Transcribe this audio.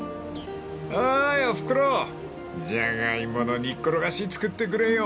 ［おーいおふくろじゃがいもの煮っころがし作ってくれよ］